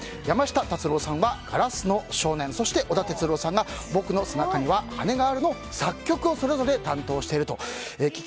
山下達郎さんは「硝子の少年」そして織田哲郎さんが「ボクの背中には羽根がある」の作曲をそれぞれ担当していると。